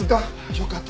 よかった。